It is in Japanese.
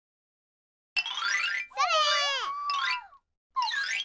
それ！